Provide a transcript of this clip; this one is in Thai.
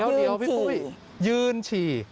เดี๋ยวพี่ปุ้ยยืนฉี่